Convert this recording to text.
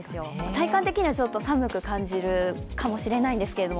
体感的にはちょっと寒く感じるかもしれないんですけど